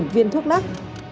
hai mươi viên thuốc nắc